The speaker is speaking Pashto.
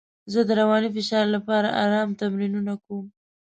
زه د رواني فشار لپاره ارام تمرینونه کوم.